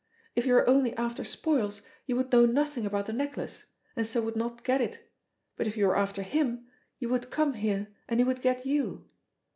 If you were only after spoils, you would know nothing about the necklace, and so would not get it; but if you were after him you would come here, and he would get you!